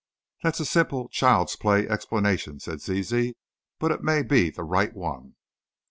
"That's a simple, child's play explanation," said Zizi, "but it may be the right one."